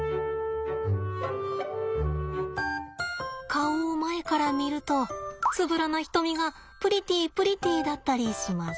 顔を前から見るとつぶらな瞳がプリティープリティーだったりします。